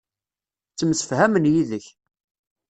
Ttemsefhamen yid-k.